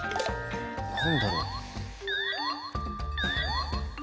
何だろう？